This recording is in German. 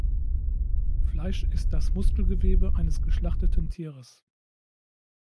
Fleisch ist das Muskelgewebe eines geschlachteten Tieres.